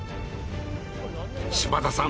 島田さん